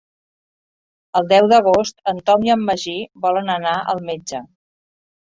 El deu d'agost en Tom i en Magí volen anar al metge.